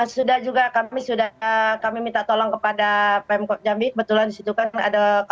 sudah juga kami sudah kami minta tolong kepada pemkab jambi kebetulan di situ kan ada kabar hukumnya ya